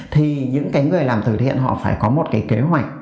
thì những người làm từ thiện họ phải có một cái kế hoạch